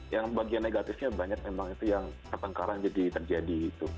yang bagian negatifnya banyak memang itu yang pertengkaran jadi terjadi